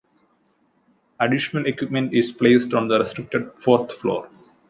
Additional equipment is placed on the restricted fourth floor.